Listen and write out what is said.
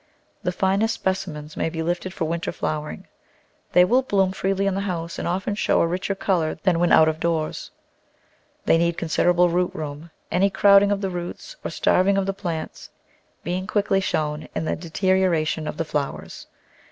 The finest specimens may be lifted for winter flowering. They will bloom freely in the house and often show a richer colour than when out of doors. They need considerable root room — any crowding of the roots, or starving of the plants being quickly shown in the deteriora tion of die flowers.